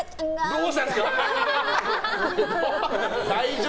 どうしたんですか！